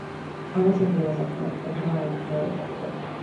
Aivazovsky was admired throughout Europe.